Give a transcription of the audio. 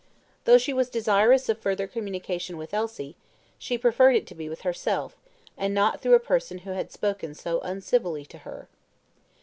Though she was desirous of further communication with Elsie, she preferred it to be with herself, and not through a person who had spoken so uncivilly to her.